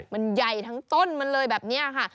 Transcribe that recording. มันใหญ่ทั้งต้นมันเลยแบบนี้ค่ะ